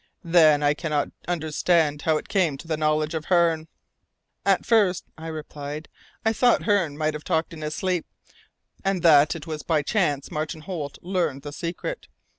"Then I cannot understand how it came to the knowledge of Hearne." "At first," I replied, "I thought Hearne might have talked in his sleep, and that it was by chance Martin Holt learned the secret.